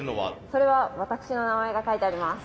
それは私の名前が書いてあります。